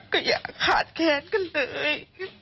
ก็อย่าขาดแค้นกันเลย